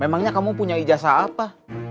emangnya kamu punya ijazah apa